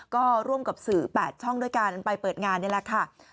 ก็ร่วมกับสื่อ๘ช่องด้วยการไปเปิดงานนี่แหละค่ะ